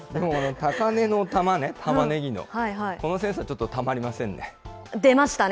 高値之玉ね、タマネギの、このセンスはちょっとタマりません出ましたね。